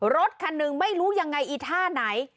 รถคันหนึ่งไม่รู้ยังไงอีท่าไหน